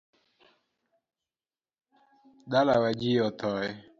Dalawa ji othoe